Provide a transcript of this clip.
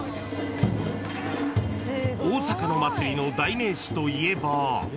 ［大阪の祭りの代名詞といえば］